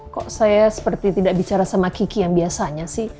kok saya seperti tidak bicara sama kiki yang biasanya sih